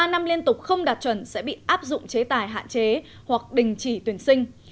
ba năm liên tục không đạt chuẩn sẽ bị áp dụng chế tài hạn chế hoặc đình chỉ tuyển sinh